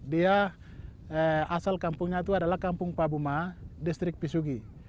dia asal kampungnya itu adalah kampung pabuma distrik pisugi